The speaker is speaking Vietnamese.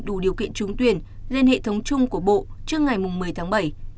đủ điều kiện trúng tuyển lên hệ thống chung của bộ trước ngày một mươi tháng bảy